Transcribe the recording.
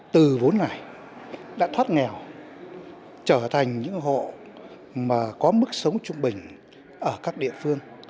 từ vốn ngoài đã thoát nghèo trở thành những hộ có mức sống trung bình ở các địa phương